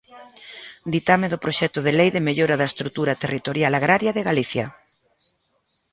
Ditame do Proxecto de lei de mellora da estrutura territorial agraria de Galicia.